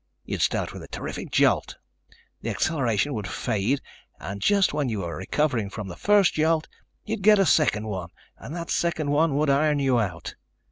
You'd start with a terrific jolt. The acceleration would fade and just when you were recovering from the first jolt, you'd get a second one and that second one would iron you out.